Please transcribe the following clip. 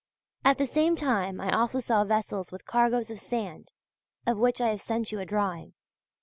At the same time I also saw vessels with cargoes of sand, of which I have sent you a drawing.